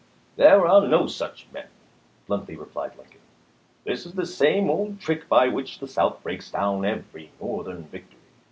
" There are no such men," bluntly replied Lincoln. " This is the same old trick by which the South breaks down every Northern victory.